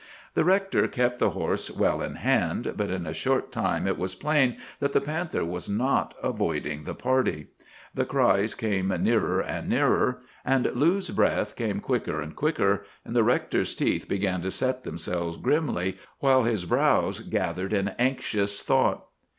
"The rector kept the horse well in hand; but in a short time it was plain that the panther was not avoiding the party. The cries came nearer and nearer, and Lou's breath came quicker and quicker, and the rector's teeth began to set themselves grimly, while his brows gathered in anxious thought.